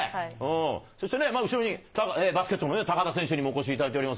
そしてね、後ろにバスケットの高田選手にもお越しいただいています。